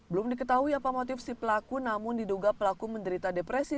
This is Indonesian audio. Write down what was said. belum diketahui apa motif si pelaku namun diduga pelaku menderita depresi